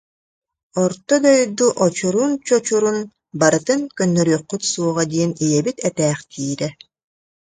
Орто дойду очурун-чочурун барытын көннөрүөххүт суоҕа диэн ийэбит этээхтиирэ